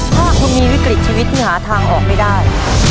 ถ้าคุณมีวิกฤตชีวิตที่หาทางออกไม่ได้